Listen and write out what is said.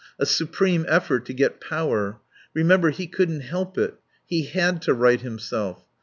A supreme effort to get power. Remember, he couldn't help it. He had to right himself.